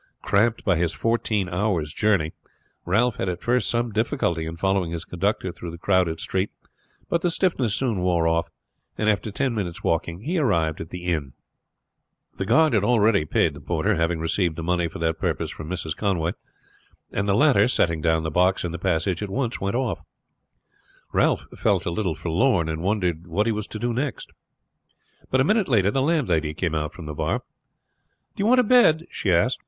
Cramped by his fourteen hours' journey Ralph had at first some difficulty in following his conductor through the crowded street, but the stiffness soon wore off, and after ten minutes walking he arrived at the inn. The guard had already paid the porter, having received the money for that purpose from Mrs. Conway; and the latter setting down the box in the passage at once went off. Ralph felt a little forlorn, and wondered what he was to do next. But a minute later the landlady came out from the bar. "Do you want a bed?" she asked.